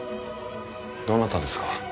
どなたですか？